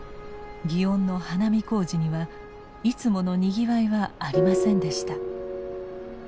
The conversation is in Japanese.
祇園の花見小路にはいつものにぎわいはありませんでした。